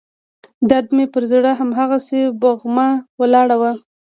درد مې پر زړه هماغسې بوغمه ولاړ و.